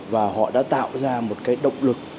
và họ đã tạo ra một cái động lực